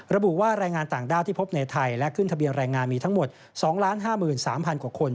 ระบุว่าแรงงานต่างด้าวที่พบในไทยและขึ้นทะเบียนแรงงานมีทั้งหมด๒๕๓๐๐กว่าคน